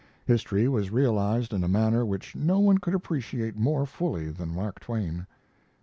History was realized in a manner which no one could appreciate more fully than Mark Twain.